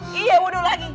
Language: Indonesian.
iya wuduk lagi